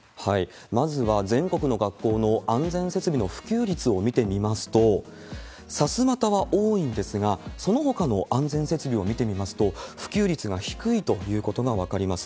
まずは全国の学校の安全設備の普及率を見てみますと、さすまたは多いんですが、そのほかの安全設備を見てみますと、普及率は低いということが分かります。